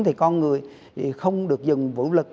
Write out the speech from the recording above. thì con người thì không được dừng vũ lực